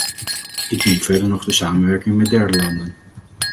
Ik noem verder nog de samenwerking met derde landen.